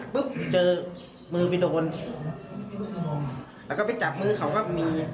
ผมก็พัดหอมนะครับ